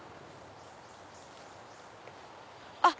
あっ！